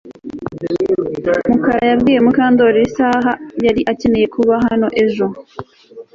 Mukara yabwiye Mukandoli isaha yari akeneye kuba hano ejo